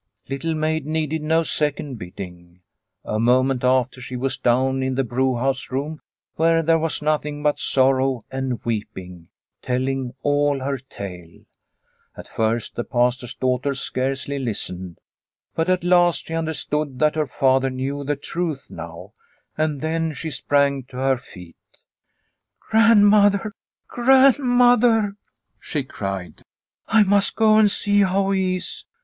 Little Maid needed no second bidding. A moment after she was down in the brewhouse room where there was nothing but sorrow and weeping, telling all her tale. At first the Pastor's daughter scarcely listened, but at last she understood that her father knew the truth now, and then she sprang to her feet. The Accusation 241 "Grandmother, grandmother!" she cried, "I mutt go and see how he is."